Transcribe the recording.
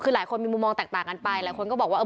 คือหลายคนมีมุมมองแตกต่างกันไปหลายคนก็บอกว่า